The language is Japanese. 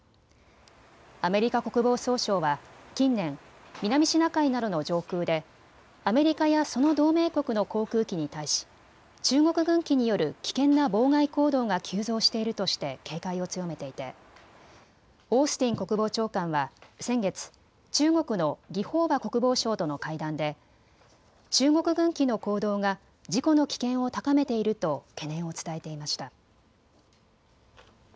アメリカ国防総省は近年、南シナ海などの上空でアメリカやその同盟国の航空機に対し中国軍機による危険な妨害行動が急増しているとして警戒を強めていてオースティン国防長官は先月、中国の魏鳳和国防相との会談で中国軍機の行動が事故の危険を高めていると懸念を伝えていました。